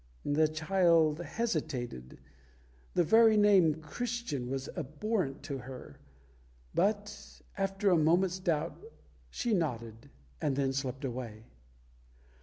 The child hesitated the very name "Christian" was abhorrent to her but after a moment's doubt she nodded, and then slipped away.